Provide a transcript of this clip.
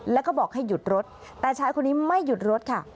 แล้วก็บอกให้หยุดรถแต่ชายคนนี้ไม่หยุดรถค่ะ